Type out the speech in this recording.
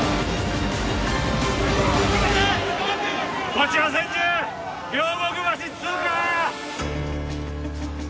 こちら千住両国橋通過